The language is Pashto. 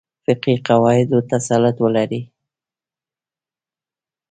فقهي قواعدو تسلط ولري.